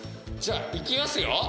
じゃあいきますよ？